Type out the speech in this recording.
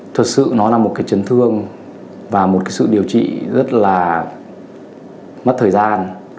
thật sự nó là một chấn thương và một sự điều trị rất là mất thời gian